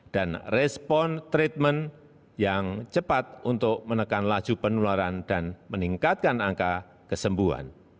dan respon treatment yang cepat untuk menekan laju penularan dan meningkatkan angka kesembuhan